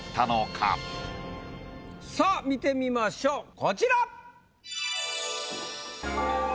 さぁ見てみましょうこちら！